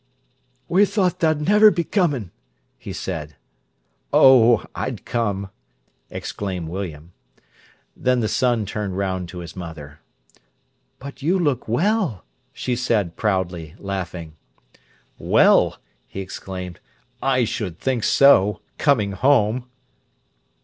"We thought tha'd niver be commin'," he said. "Oh, I'd come!" exclaimed William. Then the son turned round to his mother. "But you look well," she said proudly, laughing. "Well!" he exclaimed. "I should think so—coming home!"